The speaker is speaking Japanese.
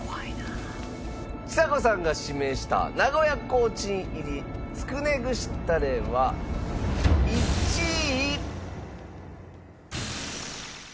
ちさ子さんが指名した名古屋コーチン入りつくね串タレは１位。